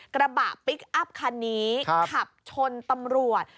กระบะพลิกอัพคันนี้ขับชนตำรวจ